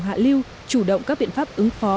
hạ lưu chủ động các biện pháp ứng phó